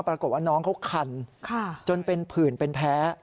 ปรากฏว่าน้องเขาคันจนเป็นผื่นเป็นแพ้